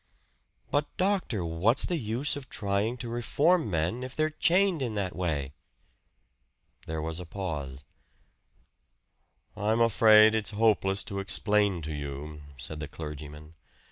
"But, doctor, what's the use of trying to reform men if they're chained in that way?" There was a pause. "I'm afraid it's hopeless to explain to you," said the clergyman.